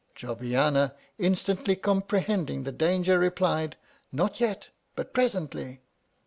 Jobbiana, instantly comprehending the danger, replied", Not yet, but presently.